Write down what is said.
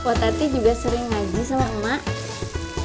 kuat hati juga sering ngaji sama emak